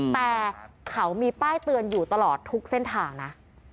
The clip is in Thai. แต่เขามีป้ายเตือนอยู่ตลอดทุกเส้นทางนะ